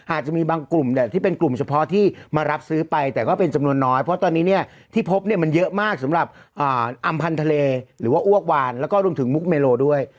อาจจะมีบางกลุ่มเนี่ยที่เป็นกลุ่มเฉพาะที่มารับซื้อไปแต่ก็เป็นจำนวนน้อยเพราะตอนนี้เนี่ยที่พบเนี่ยมันเยอะมากสำหรับอำพันธเลหรือว่าอ้วกวานแล้วก็รวมถึงมุกเมโลด้วย